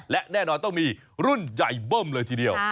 และแน่นอนต้องมีรุ่นใหญ่เบิ้มเลยทีเดียว